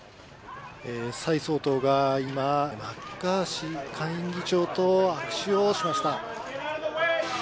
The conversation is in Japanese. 蔡総統が今、マッカーシー下院議長と握手をしました。